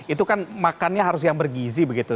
itu kan makannya harus yang bergizi begitu